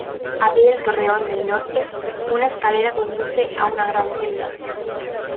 Al pie del torreón del norte, una escalera conduce a una gran celda.